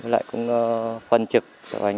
lại cũng phân trực cho anh em cán bộ